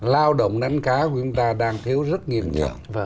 lao động đánh cá của chúng ta đang thiếu rất nghiêm trọng